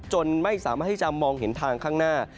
จนไม่สามารถที่จะมองเห็นทางข้างหน้า